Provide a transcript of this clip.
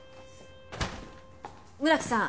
村木さん。